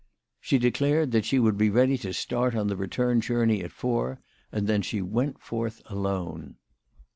She declared that she would be ready to start on the return journey at four, and then she went forth alone.